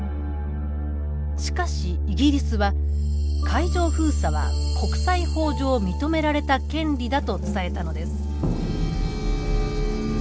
しかしイギリスは海上封鎖は国際法上認められた権利だと伝えたのです。